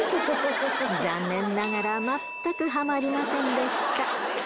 残念ながら、全くハマりませんでした。